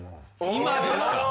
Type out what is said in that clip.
今ですか。